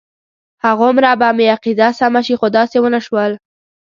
هغومره به مې عقیده سمه شي خو داسې ونه شول.